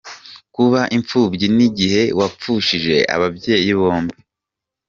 Kuba imfubyi nigihe wapfushije ababyeyi bombi